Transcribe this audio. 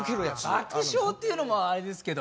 爆笑っていうのもあれですけど。